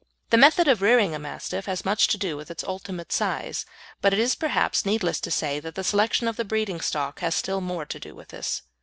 The method of rearing a Mastiff has much to do with its ultimate size, but it is perhaps needless to say that the selection of the breeding stock has still more to do with this.